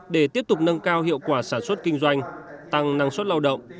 để tiếp tục nâng cao hiệu quả sản xuất kinh doanh tăng năng suất lao động